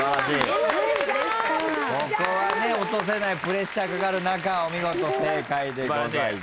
ここは落とせないプレッシャーかかる中お見事正解でございます。